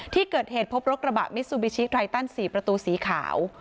ที่เกิดเหตุพบรถกระบะมิซูบิชิไทตัน๔ประตูสีขาว